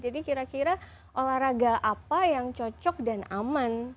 jadi kira kira olahraga apa yang cocok dan aman